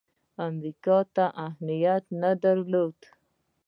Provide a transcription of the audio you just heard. امریکا ته اهمیت نه درلود.